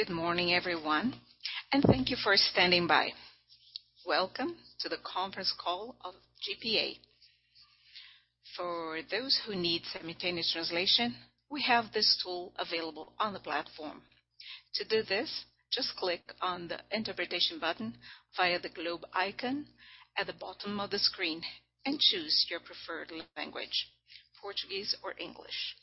Good morning, everyone, and thank you for standing by. Welcome to the Conference Call of GPA. For those who need simultaneous translation, we have this tool available on the platform. To do this, just click on the interpretation button via the globe icon at the bottom of the screen and choose your preferred language, Portuguese or English.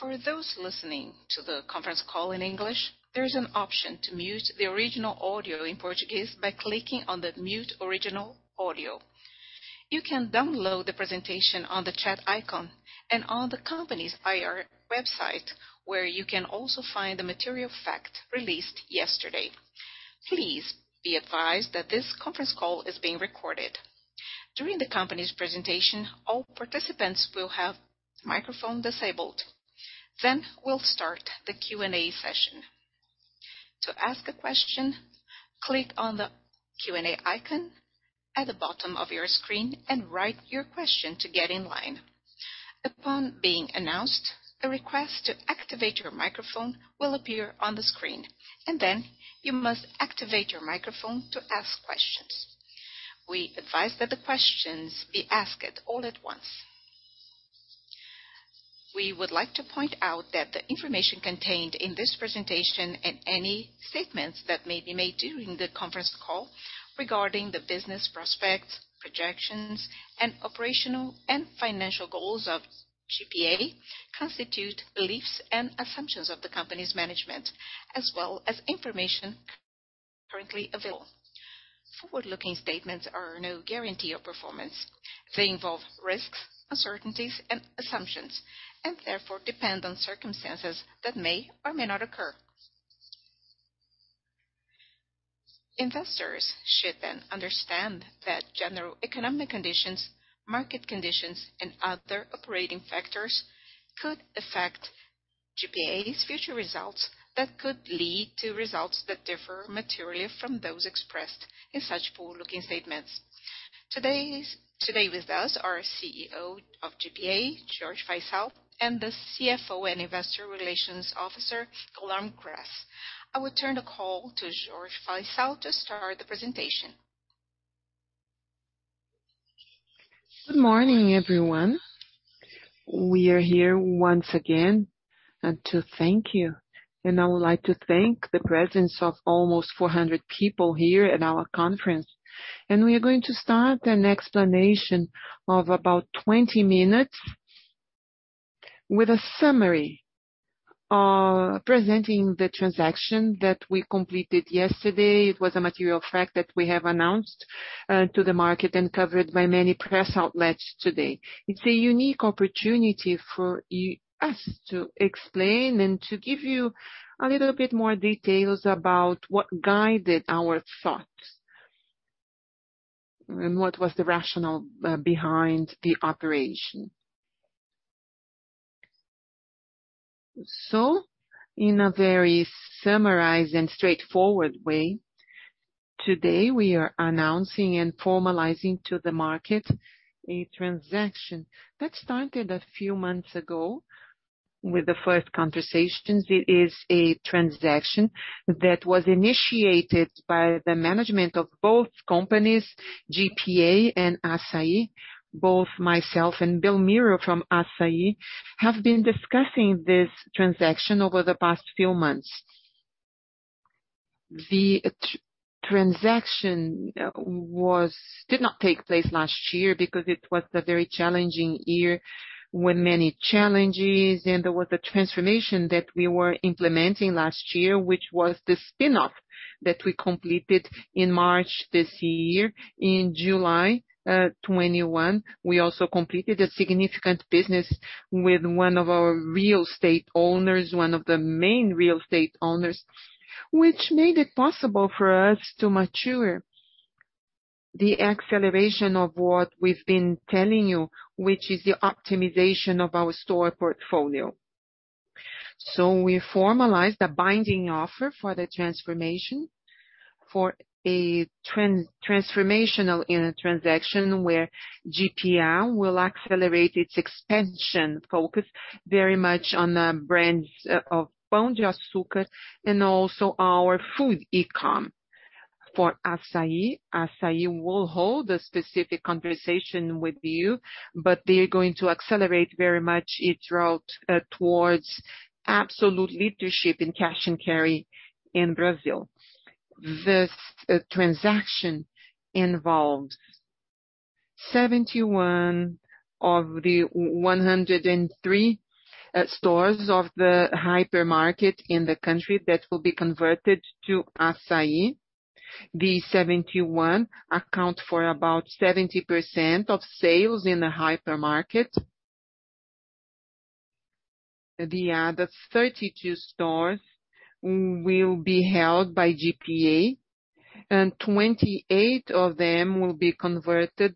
For those listening to the conference call in English, there is an option to mute the original audio in Portuguese by clicking on the mute original audio. You can download the presentation on the chat icon and on the company's IR website, where you can also find the material fact released yesterday. Please be advised that this conference call is being recorded. During the company's presentation, all participants will have microphone disabled. We'll start the Q&A session. To ask a question, click on the Q&A icon at the bottom of your screen and write your question to get in line. Upon being announced, a request to activate your microphone will appear on the screen, and then you must activate your microphone to ask questions. We advise that the questions be asked all at once. We would like to point out that the information contained in this presentation and any statements that may be made during the conference call regarding the business prospects, projections, and operational and financial goals of GPA constitute beliefs and assumptions of the company's management, as well as information currently available. Forward-looking statements are no guarantee of performance. They involve risks, uncertainties, and assumptions, and therefore depend on circumstances that may or may not occur. Investors should understand that general economic conditions, market conditions, and other operating factors could affect GPA's future results that could lead to results that differ materially from those expressed in such forward-looking statements. Today with us are CEO of GPA, Jorge Faiçal, and the CFO and Investor Relations Officer, Guillaume Gras. I will turn the call to Jorge Faiçal to start the presentation. Good morning, everyone. We are here once again and to thank you. I would like to thank the presence of almost 400 people here at our conference. We are going to start an explanation of about 20 minutes with a summary presenting the transaction that we completed yesterday. It was a material fact that we have announced to the market and covered by many press outlets today. It's a unique opportunity for us to explain and to give you a little bit more details about what guided our thoughts and what was the rationale behind the operation. In a very summarized and straightforward way, today we are announcing and formalizing to the market a transaction that started a few months ago with the first conversations. It is a transaction that was initiated by the management of both companies, GPA and Assaí. Both myself and Belmiro Gomes from Assaí have been discussing this transaction over the past few months. The transaction did not take place last year because it was a very challenging year with many challenges, and there was a transformation that we were implementing last year, which was the spin-off that we completed in March this year. In July 2021, we also completed a significant business with one of our real estate owners, one of the main real estate owners, which made it possible for us to mature the acceleration of what we've been telling you, which is the optimization of our store portfolio. We formalized a binding offer for the transformation for a transformational transaction where GPA will accelerate its expansion focus very much on the brands of Pão de Açúcar and also our food e-com. For Assaí will hold a specific conversation with you, but they are going to accelerate very much its route towards absolute leadership in cash and carry in Brazil. This transaction involved 71 of the 103 stores of the hypermarket in the country that will be converted to Assaí. The 71 account for about 70% of sales in the hypermarket. The other 32 stores will be held by GPA, and 28 of them will be converted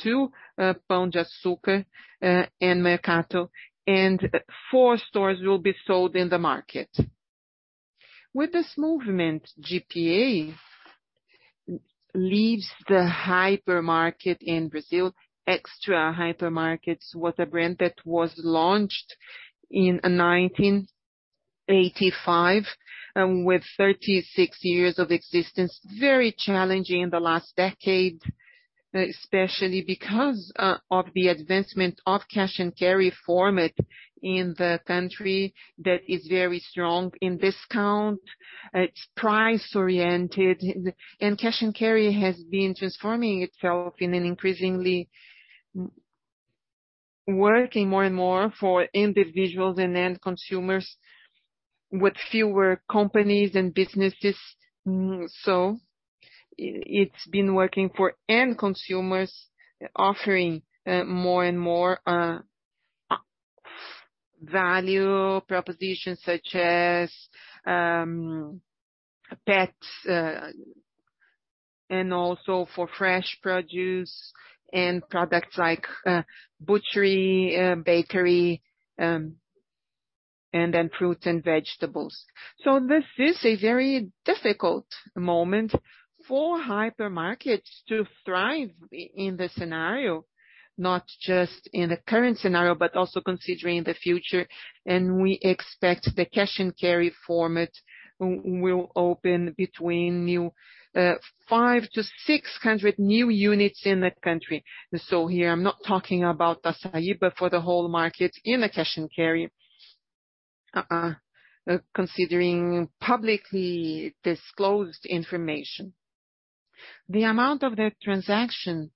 to Pão de Açúcar and Mercado Extra, and four stores will be sold in the market. With this movement, GPA leaves the hypermarket in Brazil. Extra Hypermarkets was a brand that was launched in 1985 with 36 years of existence. Very challenging in the last decade, especially because of the advancement of cash and carry format in the country that is very strong in discount. It's price-oriented, cash and carry has been transforming itself increasingly working more and more for individuals and end consumers with fewer companies and businesses. It's been working for end consumers, offering more and more value propositions such as pets, also for fresh produce and products like butchery, bakery, fruits and vegetables. This is a very difficult moment for hypermarkets to thrive in the scenario, not just in the current scenario, but also considering the future. We expect the cash and carry format will open between new 500-600 new units in the country. Here I'm not talking about Assaí, but for the whole market in the cash and carry, considering publicly disclosed information. The amount of the transaction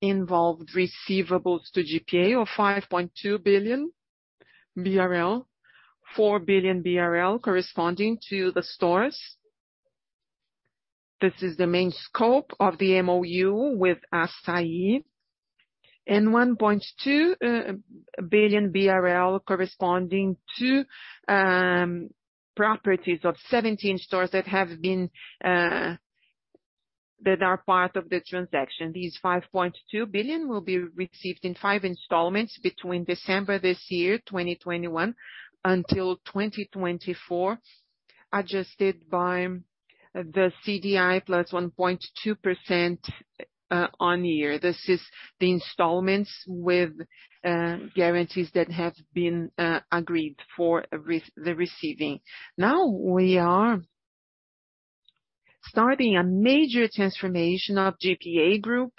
involved receivables to GPA of 5.2 billion BRL, 4 billion BRL corresponding to the stores. This is the main scope of the MoU with Assaí. BRL 1.2 billion corresponding to properties of 17 stores that are part of the transaction. These 5.2 billion will be received in five installments between December this year, 2021, until 2024, adjusted by the CDI plus 1.2% on year. This is the installments with guarantees that have been agreed for the receiving. Now we are starting a major transformation of GPA group,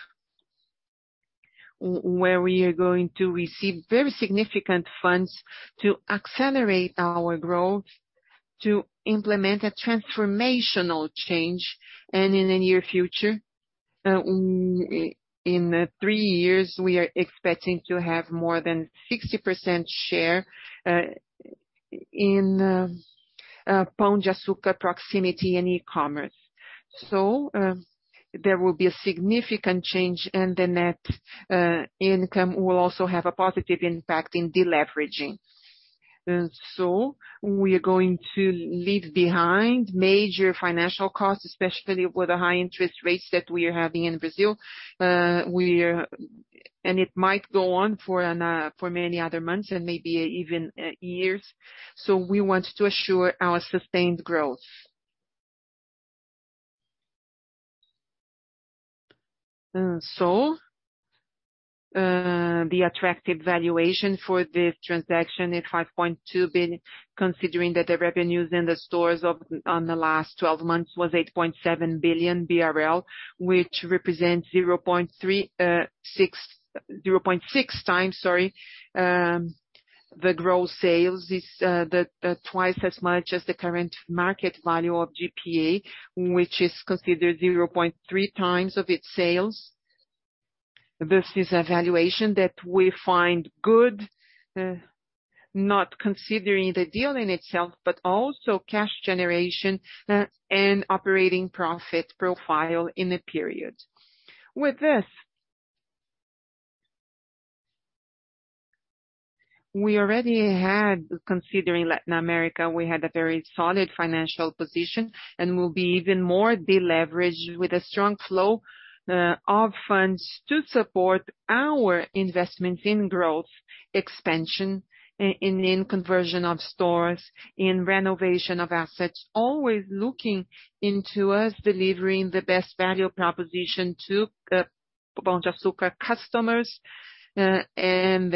where we are going to receive very significant funds to accelerate our growth, to implement a transformational change. In the near future, in three years, we are expecting to have more than 60% share in Pão de Açúcar proximity and e-commerce. There will be a significant change and the net income will also have a positive impact in deleveraging. We are going to leave behind major financial costs, especially with the high interest rates that we are having in Brazil. It might go on for many other months and maybe even years. We want to assure our sustained growth. The attractive valuation for this transaction is 5.2 billion, considering that the revenues in the stores on the last 12 months was 8.7 billion BRL, which represents 0.6x the gross sales. It's twice as much as the current market value of GPA, which is considered 0.3x of its sales. This is a valuation that we find good, not considering the deal in itself, but also cash generation and operating profit profile in the period. With this, we already had, considering Latin America, we had a very solid financial position and will be even more deleveraged with a strong flow of funds to support our investments in growth, expansion, and in conversion of stores, in renovation of assets. Always looking into us delivering the best value proposition to Pão de Açúcar customers, and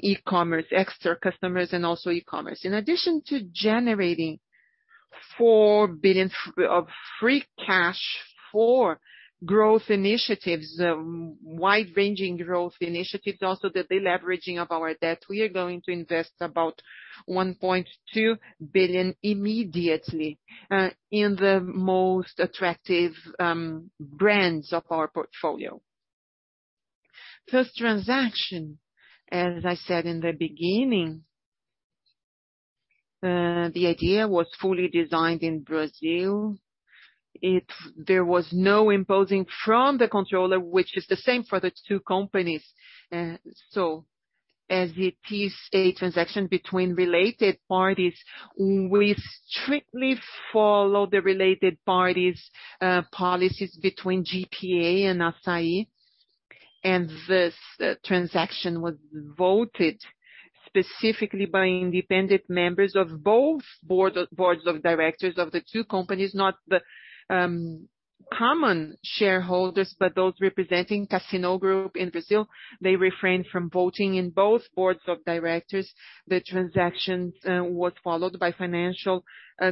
e-commerce. Extra customers and also e-commerce. In addition to generating 4 billion of free cash for growth initiatives, wide-ranging growth initiatives, also the deleveraging of our debt, we are going to invest about 1.2 billion immediately in the most attractive brands of our portfolio. This transaction, as I said in the beginning, the idea was fully designed in Brazil. There was no imposing from the controller, which is the same for the two companies. As it is a transaction between related parties, we strictly follow the related parties' policies between GPA and Assaí. This transaction was voted specifically by independent members of both boards of directors of the two companies, not the common shareholders, but those representing Casino Group in Brazil. They refrained from voting in both boards of directors. The transactions was followed by financial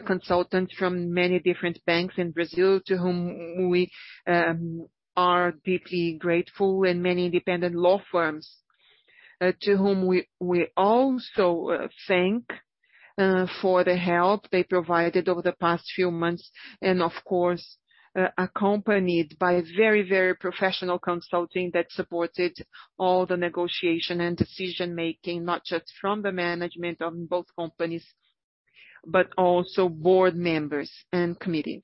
consultants from many different banks in Brazil, to whom we are deeply grateful, and many independent law firms, to whom we also thank for the help they provided over the past few months. Of course, accompanied by a very professional consulting that supported all the negotiation and decision-making, not just from the management of both companies, but also board members and committees.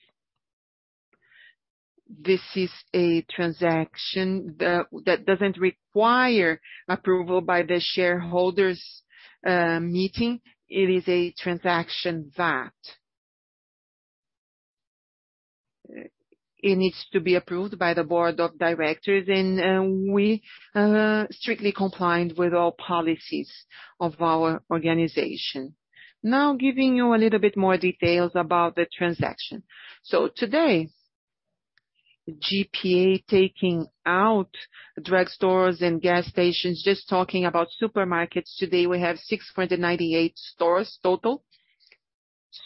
This is a transaction that doesn't require approval by the shareholders meeting. It is a transaction that it needs to be approved by the board of directors, and we strictly complied with all policies of our organization. Giving you a little bit more details about the transaction. Today, GPA taking out drugstores and gas stations, just talking about supermarkets. Today, we have 698 stores total.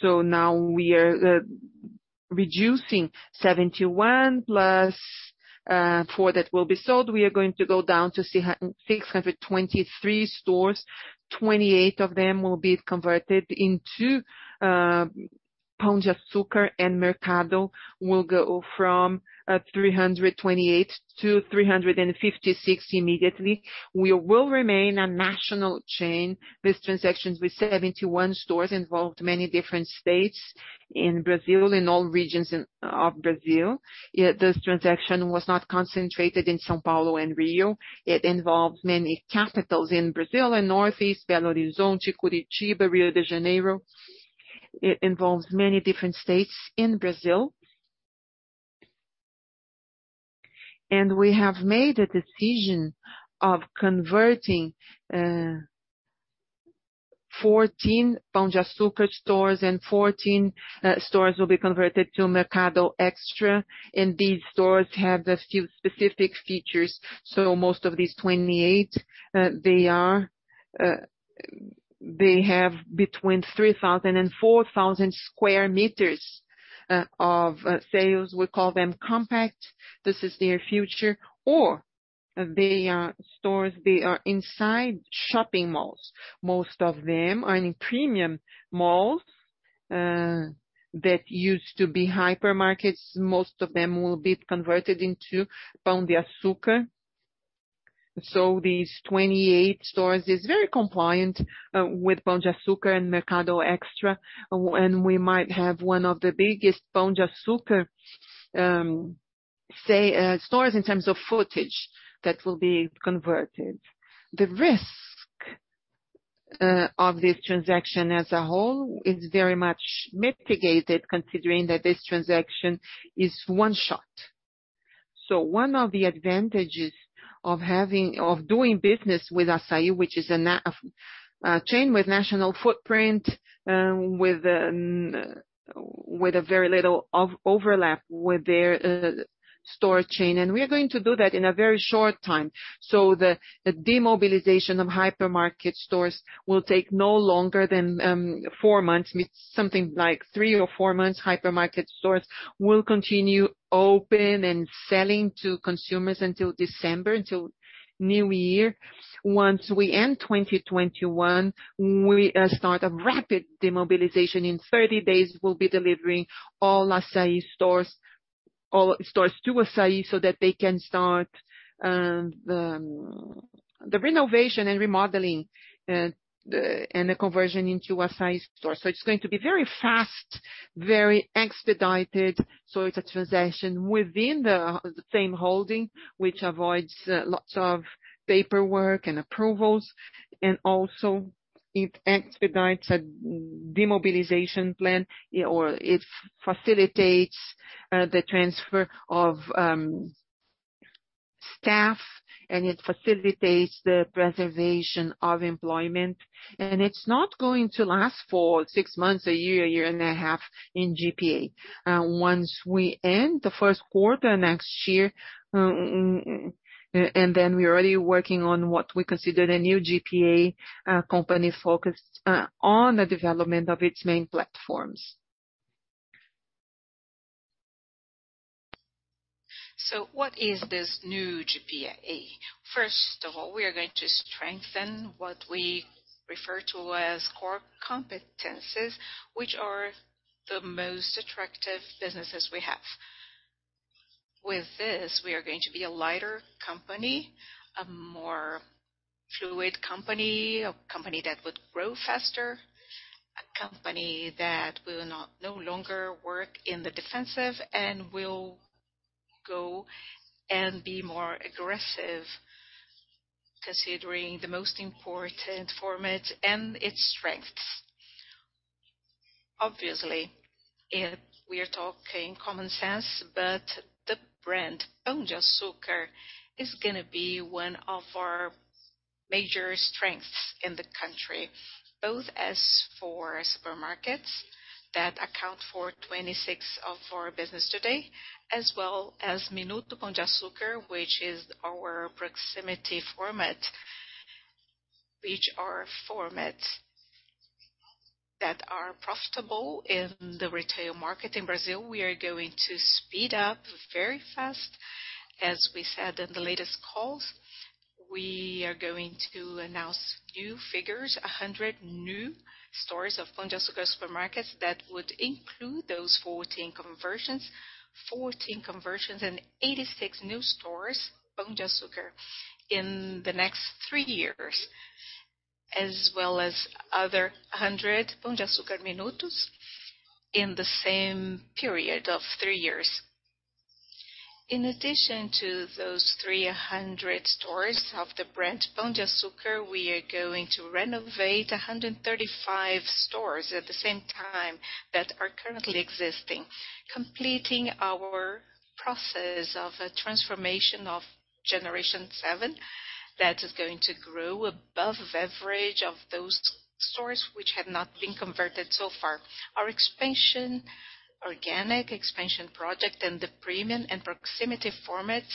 Now we are reducing 71 plus four that will be sold. We are going to go down to 623 stores. 28 of them will be converted into Pão de Açúcar and Mercado will go from 328-356 immediately. We will remain a national chain. This transaction with 71 stores involved many different states in Brazil, in all regions of Brazil. This transaction was not concentrated in São Paulo and Rio. It involved many capitals in Brazil and Northeast, Belo Horizonte, Curitiba, Rio de Janeiro. It involves many different states in Brazil. We have made a decision of converting 14 Pão de Açúcar stores, and 14 stores will be converted to Mercado Extra. These stores have a few specific features. Most of these 28, they have between 3,000 and 4,000 sq m of sales. We call them compact. This is their future. They are stores, they are inside shopping malls. Most of them are in premium malls, that used to be hypermarkets. Most of them will be converted into Pão de Açúcar. These 28 stores is very compliant with Pão de Açúcar and Mercado Extra. We might have one of the biggest Pão de Açúcar stores in terms of footage that will be converted. The risk of this transaction as a whole is very much mitigated considering that this transaction is one shot. One of the advantages of doing business with Assaí, which is a chain with national footprint, with a very little overlap with their store chain. We are going to do that in a very short time. The demobilization of hypermarket stores will take no longer than four months. Something like three or four months. Hypermarket stores will continue open and selling to consumers until December, until New Year. Once we end 2021, we start a rapid demobilization. In 30 days, we'll be delivering all stores to Assaí so that they can start the renovation and remodeling, and the conversion into Assaí store. It's going to be very fast, very expedited. It's a transaction within the same holding, which avoids lots of paperwork and approvals, and also it expedites a demobilization plan, or it facilitates the transfer of staff, and it facilitates the preservation of employment. It's not going to last for six months, a year year, a year and a half in GPA. Once we end the 1st quarter next year, and then we're already working on what we consider the new GPA company focused on the development of its main platforms. What is this new GPA? First of all, we are going to strengthen what we refer to as core competencies, which are the most attractive businesses we have. With this, we are going to be a lighter company, a more fluid company, a company that would grow faster, a company that will no longer work in the defensive and will go and be more aggressive considering the most important format and its strengths. Obviously, we are talking common sense. The brand Pão de Açúcar is going to be one of our major strengths in the country, both as for supermarkets that account for 26% of our business today, as well as Minuto Pão de Açúcar, which is our proximity format, which are formats that are profitable in the retail market in Brazil. We are going to speed up very fast. As we said in the latest calls, we are going to announce new figures, 100 new stores of Pão de Açúcar supermarkets that would include those 14 conversions. 14 conversions and 86 new stores, Pão de Açúcar, in the next three years, as well as other 100 Minuto Pão de Açúcar in the same period of three years. In addition to those 300 stores of the brand Pão de Açúcar, we are going to renovate 135 stores at the same time that are currently existing, completing our process of a transformation of Generation Seven that is going to grow above average of those stores which have not been converted so far. Our organic expansion project and the premium and proximity formats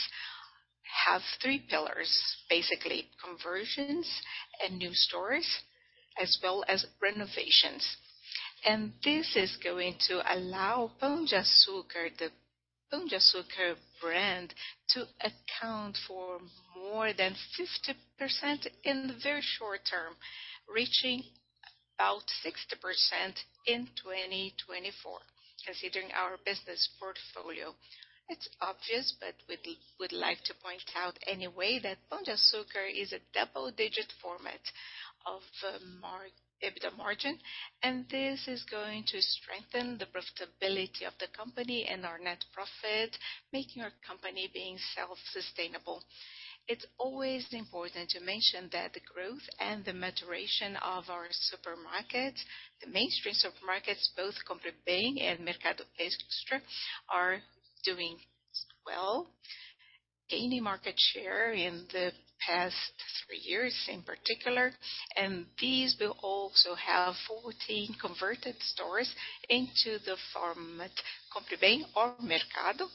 have three pillars. Basically conversions and new stores as well as renovations. This is going to allow the Pão de Açúcar brand to account for more than 50% in the very short term, reaching about 60% in 2024. Considering our business portfolio, it's obvious, but we'd like to point out anyway that Pão de Açúcar is a double-digit format of EBITDA margin, and this is going to strengthen the profitability of the company and our net profit, making our company being self-sustainable. It's always important to mention that the growth and the maturation of our supermarkets, the mainstream supermarkets, both Compre Bem and Mercado Extra are doing well, gaining market share in the past three years in particular. These will also have 14 converted stores into the format Compre Bem or Mercado,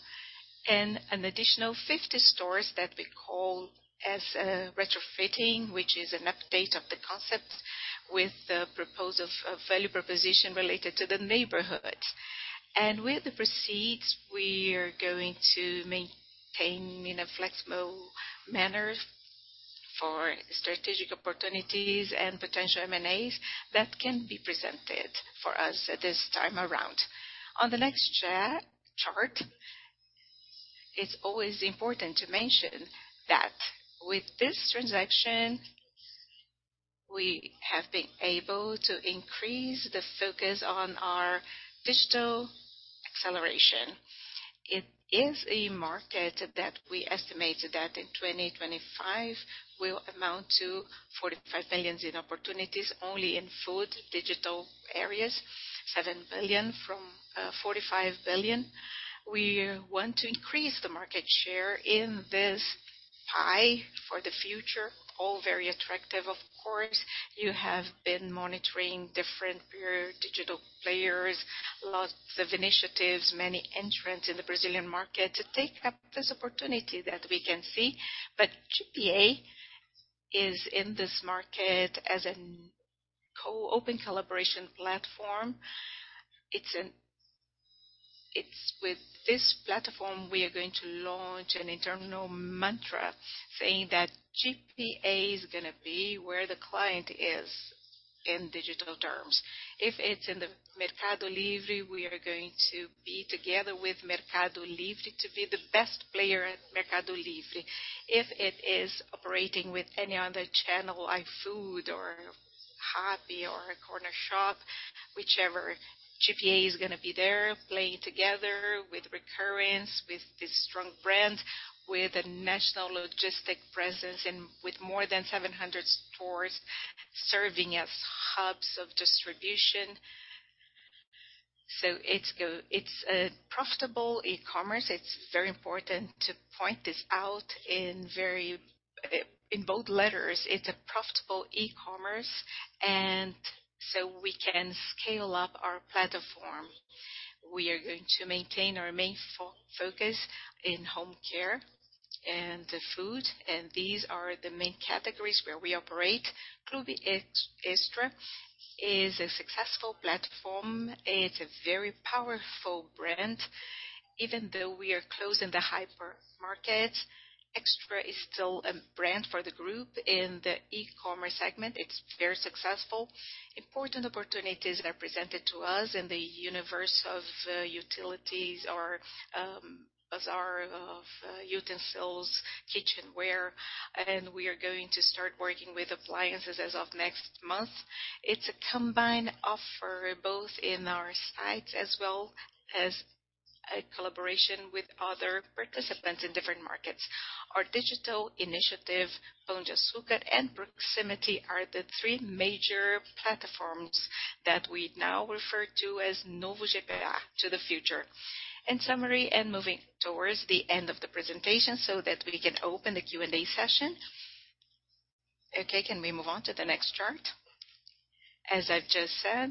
and an additional 50 stores that we call as a retrofitting, which is an update of the concept with the proposal of value proposition related to the neighborhood. With the proceeds, we are going to maintain in a flexible manner for strategic opportunities and potential M&As that can be presented for us at this time around. On the next chart, it's always important to mention that with this transaction, we have been able to increase the focus on our digital acceleration. It is a market that we estimated that in 2025 will amount to 45 billion in opportunities, only in food digital areas, 7 billion from 45 billion. We want to increase the market share in this pie for the future. All very attractive, of course. You have been monitoring different pure digital players, lots of initiatives, many entrants in the Brazilian market to take up this opportunity that we can see. GPA is in this market as an open collaboration platform. It's with this platform, we are going to launch an internal mantra saying that GPA is going to be where the client is in digital terms. If it's in the Mercado Livre, we are going to be together with Mercado Livre to be the best player at Mercado Livre. If it is operating with any other channel, iFood or Rappi or Cornershop, whichever, GPA is going to be there playing together with recurrence, with these strong brands, with a national logistic presence, and with more than 700 stores serving as hubs of distribution. It's a profitable e-commerce. It's very important to point this out in bold letters. It's a profitable e-commerce. We can scale up our platform. We are going to maintain our main focus in home care and food, and these are the main categories where we operate. Clube Extra is a successful platform. It's a very powerful brand. Even though we are closing the hypermarket, Extra is still a brand for the group in the e-commerce segment. It's very successful. Important opportunities are presented to us in the universe of utilities or bazaar of utensils, kitchenware. We are going to start working with appliances as of next month. It's a combined offer, both in our sites as well as a collaboration with other participants in different markets. Our digital initiative, Pão de Açúcar and Proximity are the three major platforms that we now refer to as Novo GPA to the future. In summary, moving towards the end of the presentation so that we can open the Q&A session. Okay, can we move on to the next chart? As I've just said,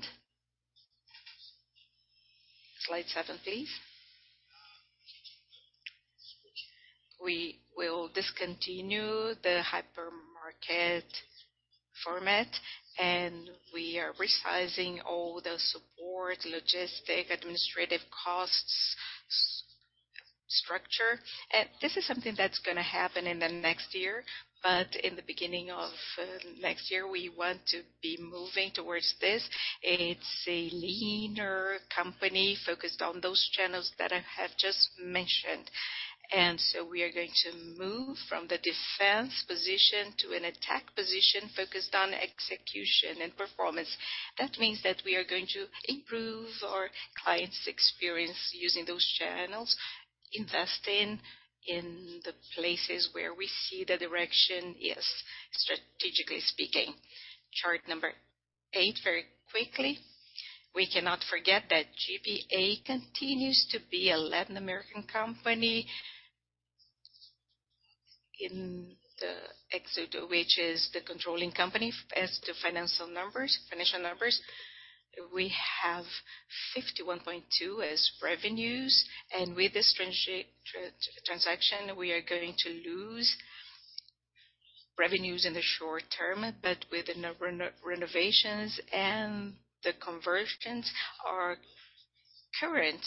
slide seven please. We will discontinue the hypermarket format. We are resizing all the support, logistic, administrative costs structure. This is something that's going to happen in the next year. In the beginning of next year, we want to be moving towards this. It's a leaner company focused on those channels that I have just mentioned. We are going to move from the defense position to an attack position focused on execution and performance. That means that we are going to improve our clients' experience using those channels, investing in the places where we see the direction, strategically speaking. Chart number eight, very quickly. We cannot forget that GPA continues to be a Latin American company. In the Éxito, which is the controlling company as to financial numbers, we have 51.2 as revenues. With this transaction, we are going to lose revenues in the short term, but with the renovations and the conversions, our current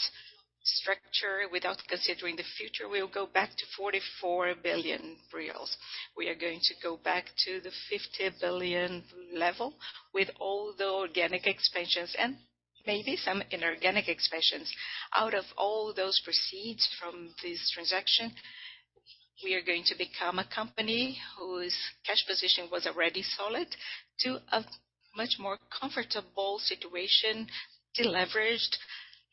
structure, without considering the future, will go back to 44 billion reais. We are going to go back to the 50 billion level with all the organic expansions and maybe some inorganic expansions. Out of all those proceeds from this transaction, we are going to become a company whose cash position was already solid to a much more comfortable situation, de-leveraged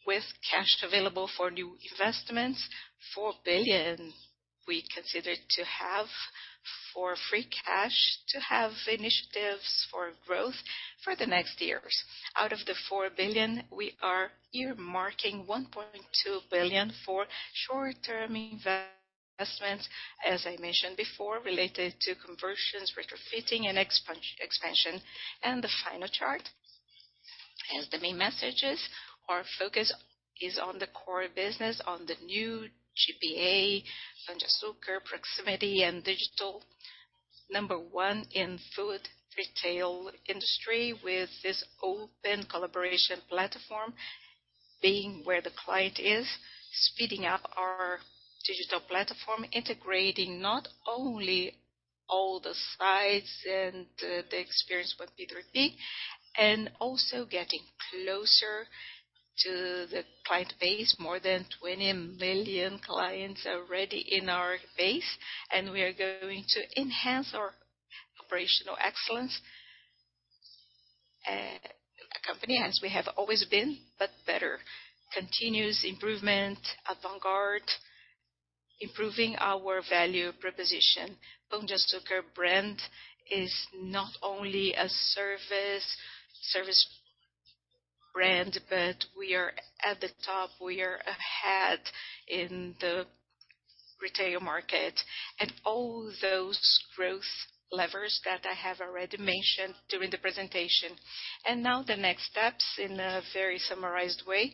with cash available for new investments. 4 billion we consider to have for free cash to have initiatives for growth for the next years. Out of the 4 billion, we are earmarking 1.2 billion for short-term investments, as I mentioned before, related to conversions, retrofitting, and expansion. The final chart. As the main messages, our focus is on the core business, on the Novo GPA, Pão de Açúcar, Proximity, and digital. Number one in food retail industry with this open collaboration platform being where the client is, speeding up our digital platform, integrating not only all the sites and the experience with B2B and also getting closer to the client base. More than 20 million clients already in our base. We are going to enhance our operational excellence. A company, as we have always been, but better. Continuous improvement, avant-garde, improving our value proposition. Pão de Açúcar brand is not only a service brand, but we are at the top, we are ahead in the retail market, and all those growth levers that I have already mentioned during the presentation. Now the next steps in a very summarized way.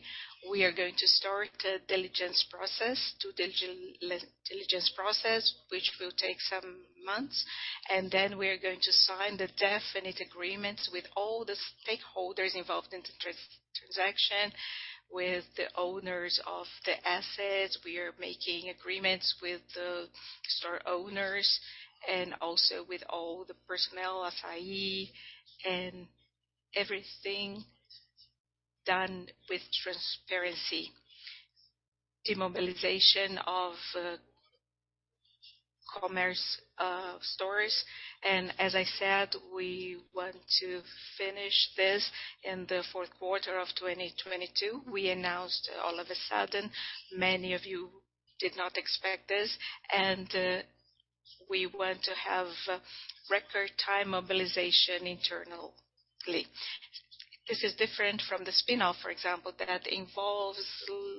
We are going to start the due diligence process, which will take some months, and then we are going to sign the definite agreements with all the stakeholders involved in the transaction, with the owners of the assets. We are making agreements with the store owners and also with all the personnel, FIE, and everything done with transparency. Demobilization of commerce stores. As I said, we want to finish this in the fourth quarter of 2022. We announced all of a sudden, many of you did not expect this, and we want to have record time mobilization internally. This is different from the spin-off, for example, that involves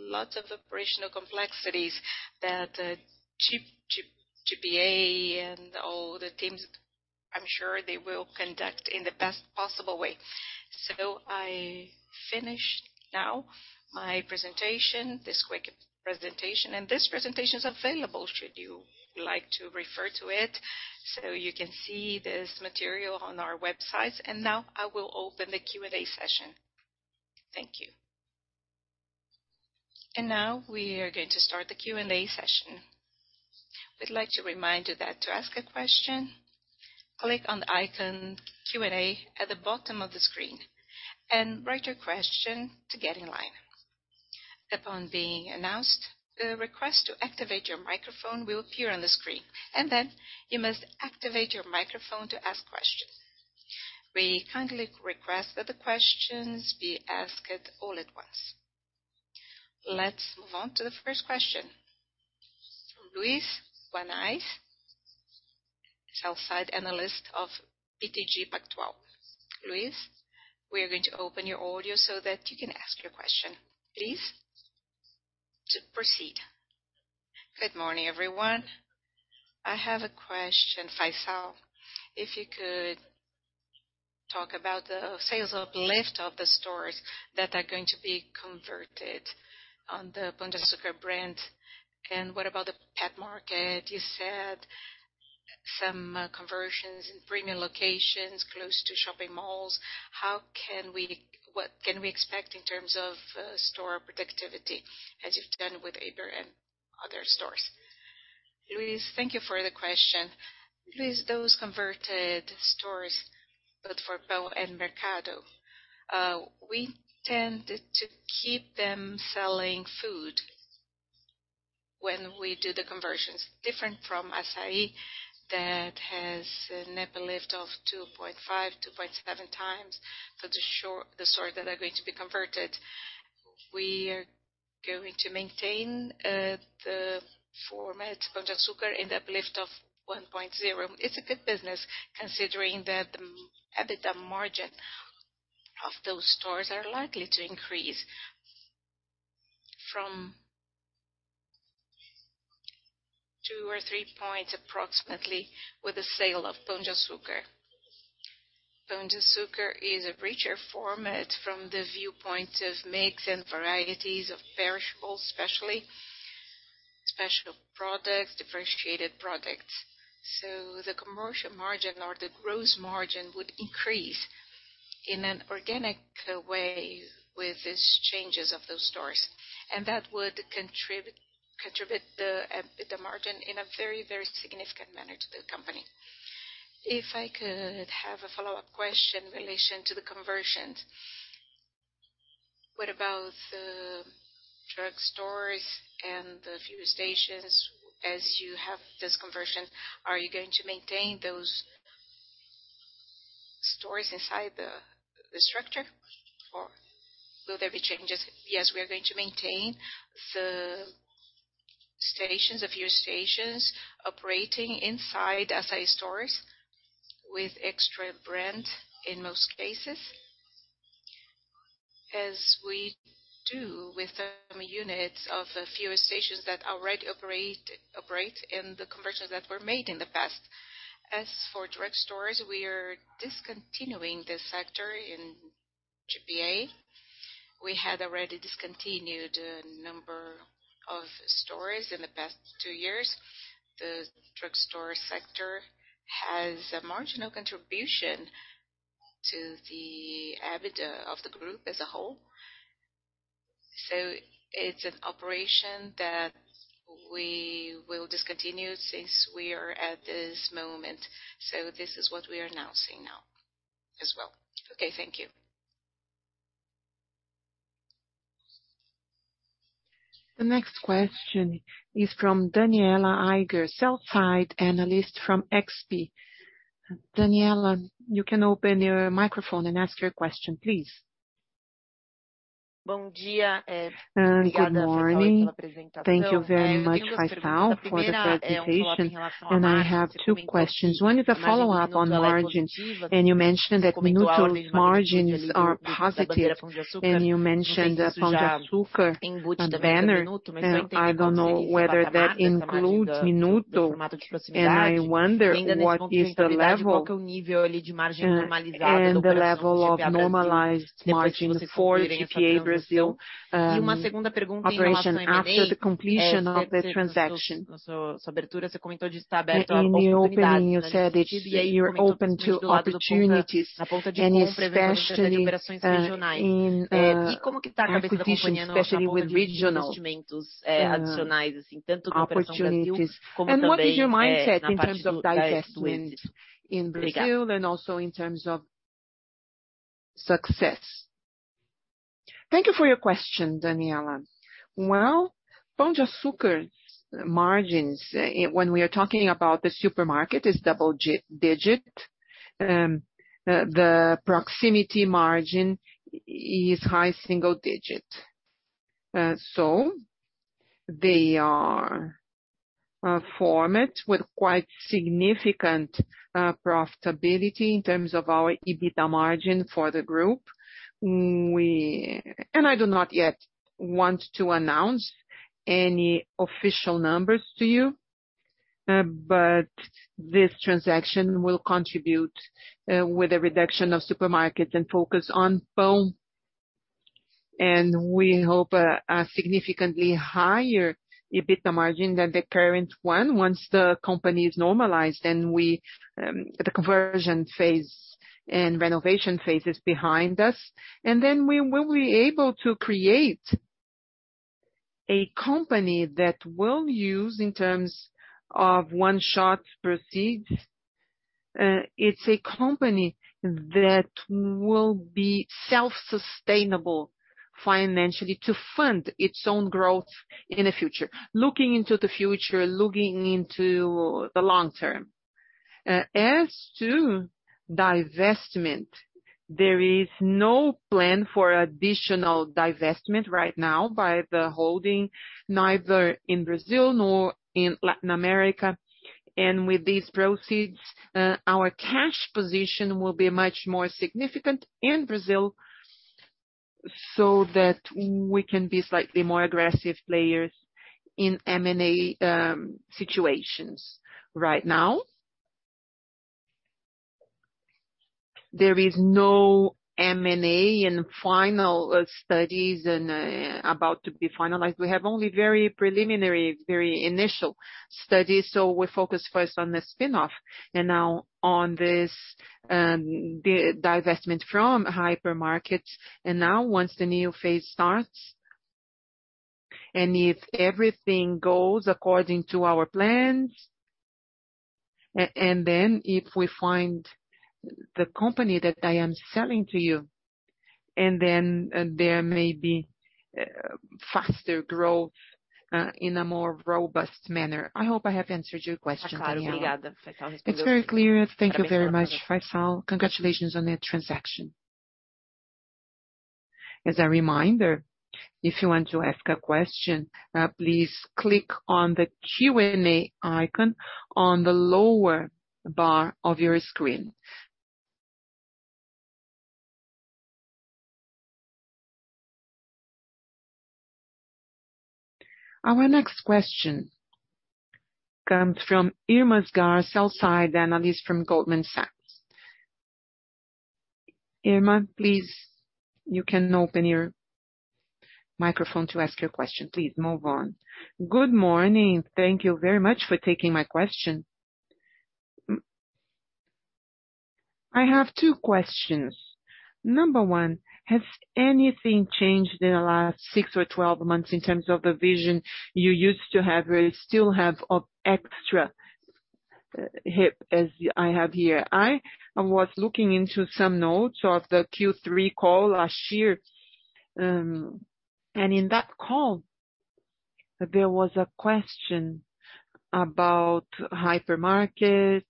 lots of operational complexities that GPA and all the teams, I'm sure they will conduct in the best possible way. I finish now my presentation, this quick presentation, and this presentation is available should you like to refer to it. You can see this material on our websites. Now I will open the Q&A session. Thank you. Now we are going to start the Q&A session. We'd like to remind you that to ask a question, click on the icon Q&A at the bottom of the screen and write your question to get in line. Upon being announced, we will request to activate your microphone to appear on the screen and then you must activate your microphone to ask questions. We kindly request that the questions be asked all at once. Let's move on to the first question. From Luiz Guanais, sell-side analyst of BTG Pactual, Luiz we are going to open your audio so that you can ask your question. Liuiz please proceed. Good morning, everyone. I have a question, Jorge Faiçal. If you could talk about the sales uplift of the stores that are going to be converted on the Pão de Açúcar brand. What about the pet market? You said some conversions in premium locations close to shopping malls. What can we expect in terms of store productivity, as you've done with Iberê and other stores? Luiz, thank you for the question. Luiz, those converted stores, both for PO and Mercado. We tend to keep them selling food when we do the conversions. Different from Assaí, that has a net uplift of 2.5, 2.7 times for the stores that are going to be converted. We are going to maintain the format Pão de Açúcar in the uplift of 1.0. It's a good business considering that the EBITDA margin of those stores are likely to increase from two or three points approximately with the sale of Pão de Açúcar. Pão de Açúcar is a richer format from the viewpoint of mix and varieties of perishables especially. Special products, differentiated products. The commercial margin or the gross margin would increase in an organic way with these changes of those stores. That would contribute the EBITDA margin in a very, very significant manner to the company. If I could have a follow-up question in relation to the conversions. What about the drugstores and the fuel stations as you have this conversion? Are you going to maintain those stores inside the structure or will there be changes? Yes, we are going to maintain the stations, a few stations operating inside Assaí stores with Extra brand in most cases, as we do with some units of the fuel stations that already operate in the conversions that were made in the past. As for drugstores, we are discontinuing the sector in GPA. We had already discontinued a number of stores in the past two years. The drugstore sector has a marginal contribution to the EBITDA of the group as a whole. It's an operation that we will discontinue since we are at this moment. This is what we are announcing now as well. Okay. Thank you. The next question is from Danniela Eiger, sell side analyst from XP. Danniela, you can open your microphone and ask your question, please. Good morning. Thank you very much, Jorge Faiçal, for the presentation. I have two questions. One is a follow-up on margins, and you mentioned that Minuto Pão de Açúcar margins are positive. You mentioned the Pão de Açúcar banner, and I don't know whether that includes Minuto Pão de Açúcar. I wonder what is the level of normalized margins for GPA Brazil operation after the completion of the transaction. In your opening you said that you're open to opportunities and especially in acquisitions, especially with regional opportunities. What is your mindset in terms of divestment in Brazil and also in terms of success? Thank you for your question, Danniela. Well, Pão de Açúcar's margins, when we are talking about the supermarket, is double-digit. The proximity margin is high single-digit. They are a format with quite significant profitability in terms of our EBITDA margin for the group. I do not yet want to announce any official numbers to you. This transaction will contribute with a reduction of supermarkets and focus on PO. We hope a significantly higher EBITDA margin than the current one once the company is normalized and the conversion phase and renovation phase is behind us. We will be able to create a company that will use in terms of one-shot proceeds. It's a company that will be self-sustainable. Financially to fund its own growth in the future, looking into the future, looking into the long term. As to divestment, there is no plan for additional divestment right now by the holding, neither in Brazil nor in Latin America. With these proceeds, our cash position will be much more significant in Brazil so that we can be slightly more aggressive players in M&A situations right now. There is no M&A in final studies and about to be finalized. We have only very preliminary, very initial studies. We focus first on the spin-off and now on this divestment from hypermarket. Now once the new phase starts, and if everything goes according to our plans, and then if we find the company that I am selling to you, and then there may be faster growth in a more robust manner. I hope I have answered your question, Danniela Eiger. It's very clear. Thank you very much, Faiçal. Congratulations on the transaction. As a reminder, if you want to ask a question, please click on the Q&A icon on the lower bar of your screen. Our next question comes from Irma Sgarz, sell-side analyst from Goldman Sachs. Irma, please, you can open your microphone to ask your question. Please, move on. Good morning. Thank you very much for taking my question. I have two questions. Number one, has anything changed in the last six or 12 months in terms of the vision you used to have or still have of Extra Hiper as I have here? I was looking into some notes of the Q3 call last year. In that call, there was a question about hypermarkets,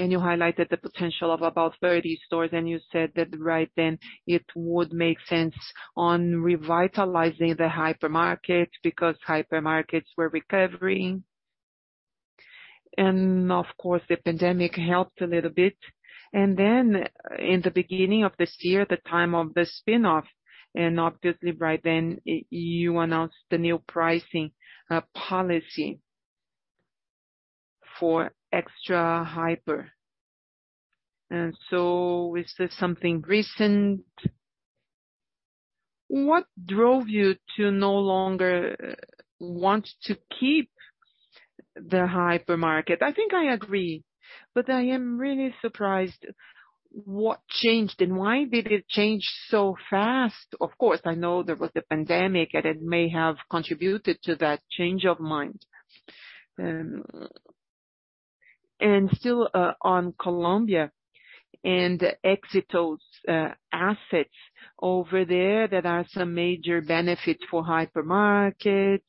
and you highlighted the potential of about 30 stores, and you said that right then it would make sense on revitalizing the hypermarket because hypermarkets were recovering. Of course, the pandemic helped a little bit. In the beginning of this year, the time of the spin-off, and obviously right then you announced the new pricing policy for Extra Hiper. Is this something recent? What drove you to no longer want to keep the hypermarket? I think I agree, but I am really surprised what changed, and why did it change so fast? Of course, I know there was the pandemic, and it may have contributed to that change of mind. Still on Colombia and Éxito's assets over there that are some major benefit for hypermarkets,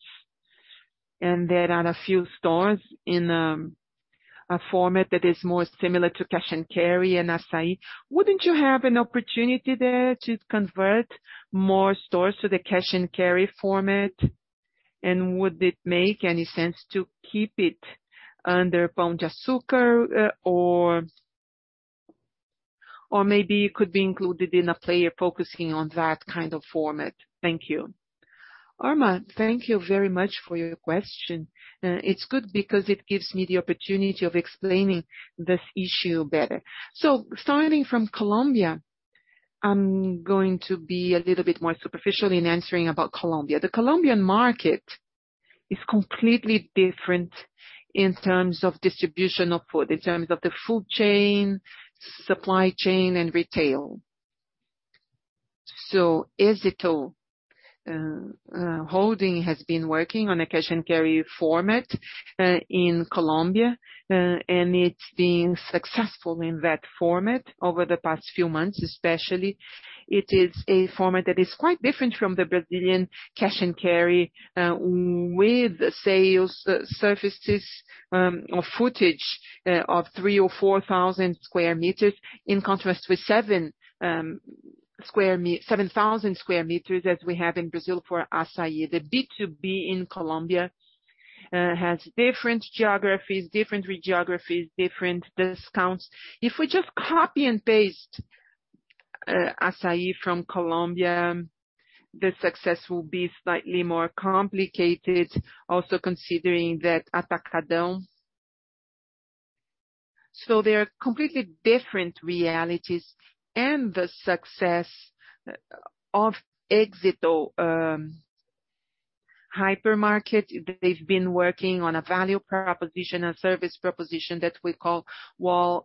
there are a few stores in a format that is more similar to cash and carry and Assaí. Wouldn't you have an opportunity there to convert more stores to the cash and carry format? Would it make any sense to keep it under Pão de Açúcar, or maybe it could be included in a player focusing on that kind of format. Thank you. Irma, thank you very much for your question. It's good because it gives me the opportunity of explaining this issue better. Starting from Colombia, I'm going to be a little bit more superficial in answering about Colombia. The Colombian market is completely different in terms of distribution of food, in terms of the food chain, supply chain, and retail. Éxito has been working on a cash and carry format in Colombia, and it's been successful in that format over the past few months, especially. It is a format that is quite different from the Brazilian cash and carry, with sales surfaces or footage of 3,000 or 4,000 sq m, in contrast with 7,000 sq m as we have in Brazil for Assaí. The B2B in Colombia has different geographies, different discounts. If we just copy and paste Assaí from Colombia, the success will be slightly more complicated. Also considering that Atacadão. They are completely different realities and the success of Éxito hypermarket, they've been working on a value proposition, a service proposition that we call Éxito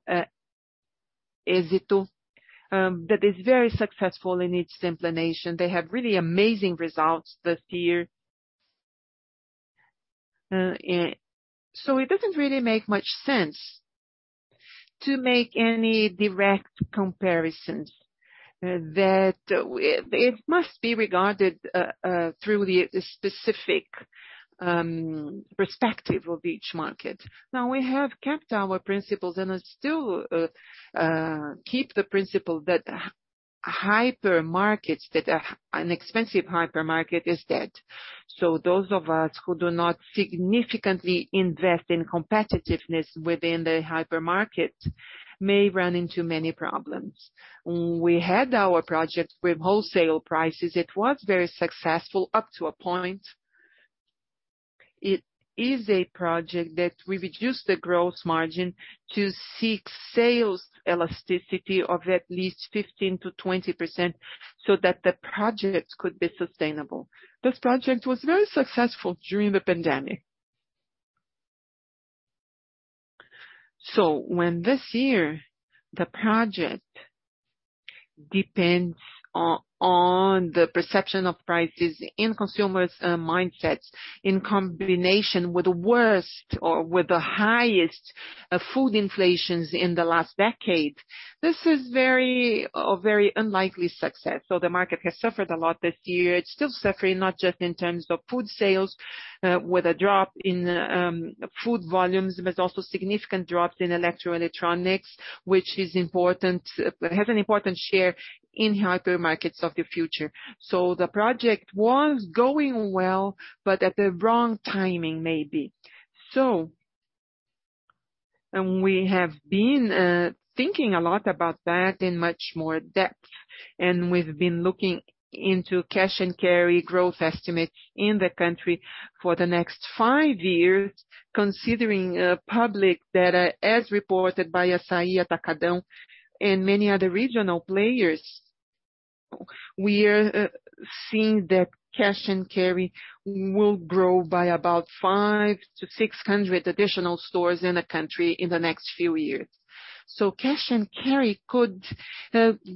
Wow that is very successful in each implementation. They had really amazing results this year. It doesn't really make much sense to make any direct comparisons. That it must be regarded through the specific perspective of each market. We have kept our principles, and still keep the principle that an expensive hypermarket is dead. Those of us who do not significantly invest in competitiveness within the hypermarket may run into many problems. When we had our project with wholesale prices, it was very successful up to a point. It is a project that we reduced the gross margin to seek sales elasticity of at least 15%-20%, so that the project could be sustainable. This project was very successful during the pandemic. When this year, the project depends on the perception of prices in consumers' mindsets, in combination with the worst or with the highest food inflations in the last decade, this is a very unlikely success. The market has suffered a lot this year. It's still suffering, not just in terms of food sales with a drop in food volumes, but also significant drops in electroelectronics, which has an important share in hypermarkets of the future. The project was going well, but at the wrong timing, maybe. We have been thinking a lot about that in much more depth, and we've been looking into cash-and-carry growth estimates in the country for the next five years, considering public data as reported by Assaí Atacadão and many other regional players. We are seeing that cash-and-carry will grow by about 500-600 additional stores in the country in the next few years. Cash-and-carry could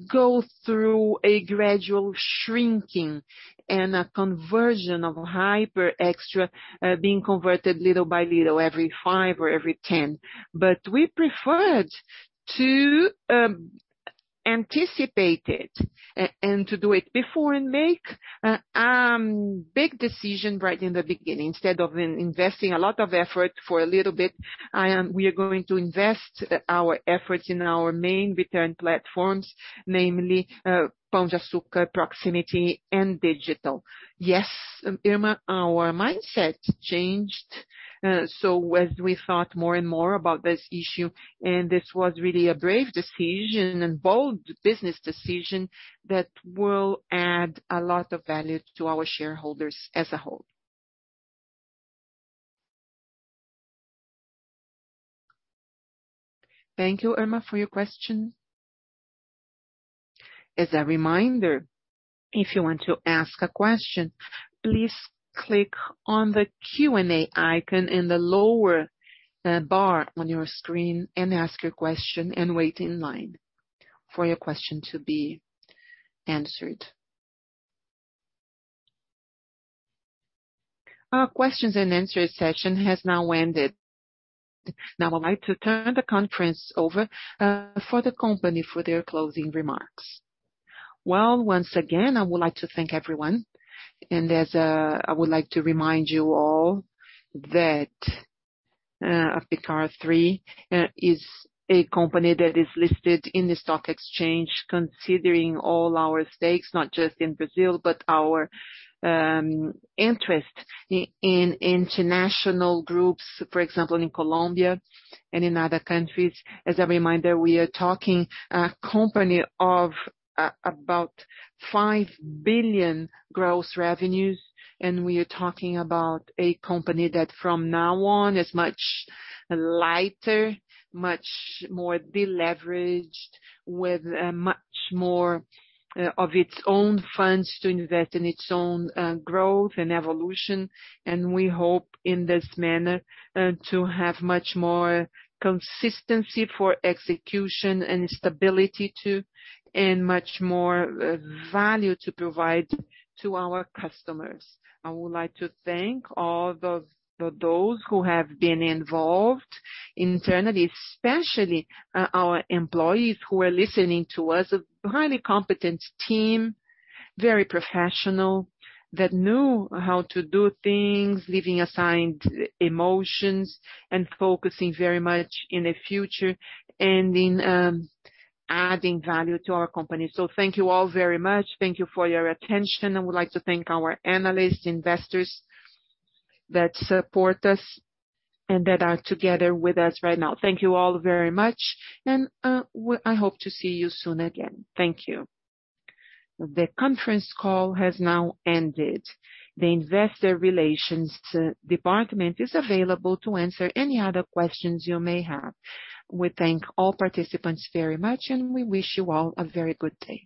go through a gradual shrinking and a conversion of Hiper Extra being converted little by little, every five or every 10. We preferred to anticipate it and to do it before and make big decision right in the beginning. Instead of investing a lot of effort for a little bit, we are going to invest our efforts in our main return platforms, namely Pão de Açúcar, proximity, and digital. Yes, Irma, our mindset changed. As we thought more and more about this issue, and this was really a brave decision and bold business decision that will add a lot of value to our shareholders as a whole. Thank you, Irma, for your question. As a reminder, if you want to ask a question, please click on the Q&A icon in the lower bar on your screen and ask your question and wait in line for your question to be answered. Our questions and answer session has now ended. I'd like to turn the conference over for the company for their closing remarks. Well, once again, I would like to thank everyone. I would like to remind you all that PCAR3 is a company that is listed in the stock exchange, considering all our stakes, not just in Brazil, but our interest in international groups, for example, in Colombia and in other countries. As a reminder, we are talking a company of about 5 billion gross revenues, we are talking about a company that from now on is much lighter, much more deleveraged, with much more of its own funds to invest in its own growth and evolution. We hope in this manner to have much more consistency for execution and stability too, much more value to provide to our customers. I would like to thank all those who have been involved internally, especially our employees who are listening to us. A highly competent team, very professional, that know how to do things, leaving aside emotions and focusing very much in the future and in adding value to our company. Thank you all very much. Thank you for your attention. I would like to thank our analysts, investors that support us and that are together with us right now. Thank you all very much and I hope to see you soon again. Thank you. The conference call has now ended. The Investor Relations department is available to answer any other questions you may have. We thank all participants very much, and we wish you all a very good day.